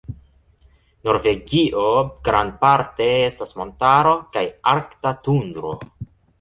Norvegio grandparte estas montaro kaj arkta tundro.